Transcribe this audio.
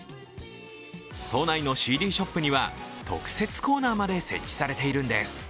都内のＣＤショップには特設コーナーまで設置されているんです。